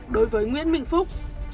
đối với nguyễn minh phúc